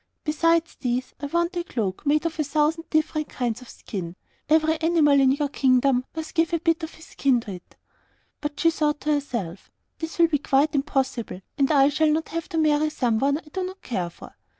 Besides these, I want a cloak made of a thousand different kinds of skin; every animal in your kingdom must give a bit of his skin to it.' But she thought to herself, 'This will be quite impossible, and I shall not have to marry someone I do not care for.